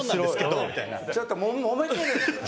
ちょっともめてる。